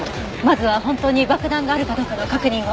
まずは本当に爆弾があるかどうかの確認を。